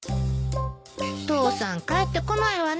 父さん帰ってこないわね。